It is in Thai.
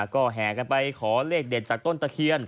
ก็แห่กันไปขอเลขเด็ดจากต้นตะเคียน